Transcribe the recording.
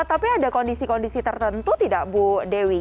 tapi ada kondisi kondisi tertentu tidak bu dewi